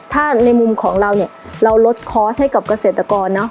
ถ้าในมุมของเราเนี่ยเราลดคอร์สให้กับเกษตรกรเนอะ